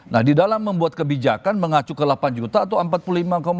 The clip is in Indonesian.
nah di dalam membuat kebijakan mengacu ke delapan juta atau empat puluh lima